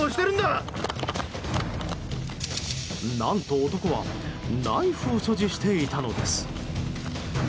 何と、男はナイフを所持していたのです。